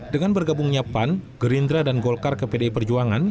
dengan bergabungnya pan gerindra dan golkar ke pdi perjuangan